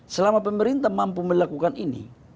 selama pemerintah mampu melakukan ini